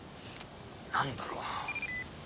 何だろう？